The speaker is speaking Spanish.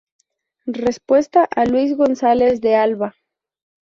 Respuesta a Luis González de Alba".